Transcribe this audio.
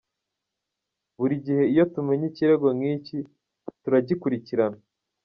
Buri gihe iyo tumenye ikirego nk’iki turagikurikirana.